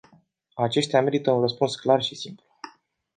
Aceștia merită un răspuns clar și simplu.